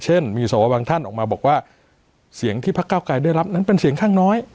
มีสวบางท่านออกมาบอกว่าเสียงที่พักเก้าไกรได้รับนั้นเป็นเสียงข้างน้อย